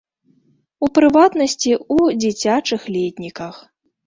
У прыватнасці ў дзіцячых летніках.